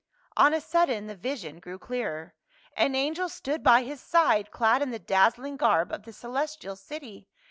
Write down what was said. On a sudden the vision grew clearer; an angel stood by his side clad in the dazzling garb of the celestial city.